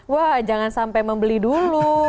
wah jangan sampai membeli dulu